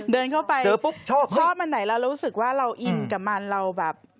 เดินเข้าไปปุ๊บชอบอันไหนเรารู้สึกว่าเราอินกับมันเราแบบ